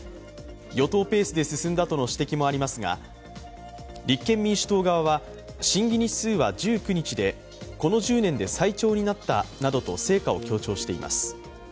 与党ペースで進んだとの指摘もありますが、立憲民主党側は審議日数は１９日で、この１０年で最長になったなどと成果を強調しています。